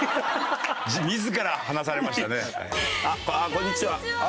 こんにちは。